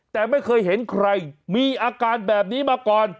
แต่ไม่เคยเห็นใครมีอาการแบบนี้มาก่อน